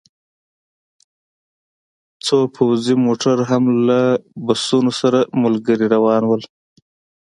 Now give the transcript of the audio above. څو پوځي موټر هم له بسونو سره ملګري روان وو